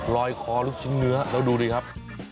คอลูกชิ้นเนื้อแล้วดูดิครับ